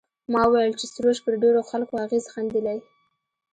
ما وویل چې سروش پر ډېرو خلکو اغېز ښندلی.